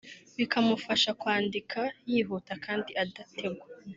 bikamufasha kwandika yihuta kandi adategwa